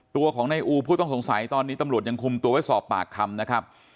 ตัวของนายอูผู้ต้องสงสัยตอนนี้ตำรวจยังคุมตัวไว้สอบปากคำนะครับ